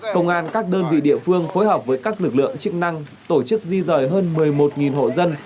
công an các đơn vị địa phương phối hợp với các lực lượng chức năng tổ chức di rời hơn một mươi một hộ dân